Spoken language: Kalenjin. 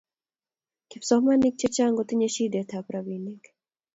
kipsomaninik chechang kotinyei shidet ap ropinik